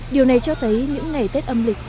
điều này cho thấy những ngày tết âm lịch